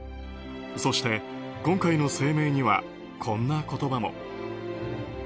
そして、今回の声明にはこんな言葉も。